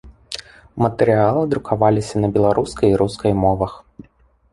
Матэрыялы друкаваліся на беларускай і рускай мовах.